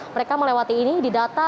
mereka melewati ini di data